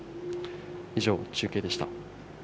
以上、中継でした。